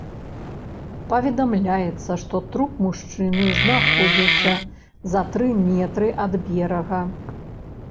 Паведамляецца, што труп мужчыны знаходзіўся за тры метры ад берага.